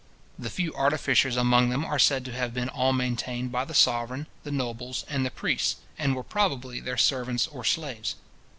The few artificers among them are said to have been all maintained by the sovereign, the nobles, and the priests, and were probably their servants or slaves.